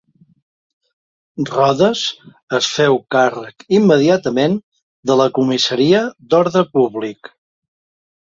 Rodes es féu càrrec immediatament de la Comissaria d'Ordre Públic.